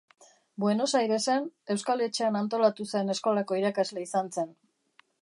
Buenos Airesen, Euskal Etxean antolatu zen eskolako irakasle izan zen.